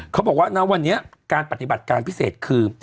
เขาบอกว่าณวันนี้การปฏิบัติการพิเศษคือ